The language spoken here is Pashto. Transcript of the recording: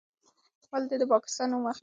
ولې دې د پاکستان نوم واخیست؟